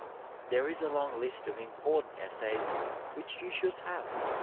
There is a long list of important essays which you should have.